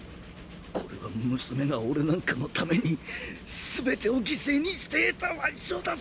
これは娘が俺なんかのためにすべてを犠牲にして得た腕章だぞ！！